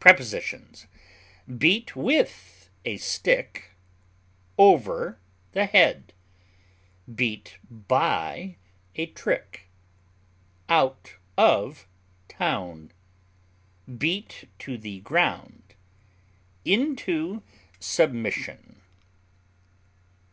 Prepositions: Beat with a stick over the head; beat by a trick; out of town; beat to the ground; into submission.